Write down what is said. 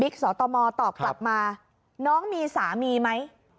สตมตอบกลับมาน้องมีสามีไหม